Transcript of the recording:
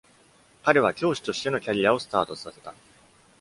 彼は教師としてのキャリアをスタートさせた。